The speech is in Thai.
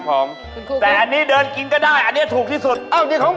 อันนี้ถูกสุดนะครับ